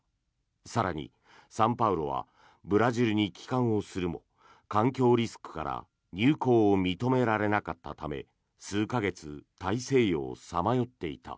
更に、「サンパウロ」はブラジルに帰還をするも環境リスクから入港を認められなかったため数か月大西洋をさまよっていた。